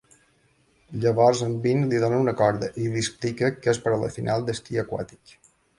Llavors en Bean li dona una corda i li explica que és per a la final d'esquí aquàtic.